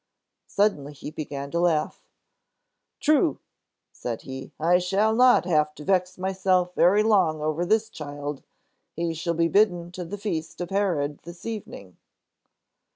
Suddenly he began to laugh. "True," said he, "I shall not have to vex myself very long over this child. He shall be bidden to the feast of Herod this evening."